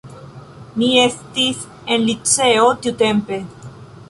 Mi estis en liceo tiutempe.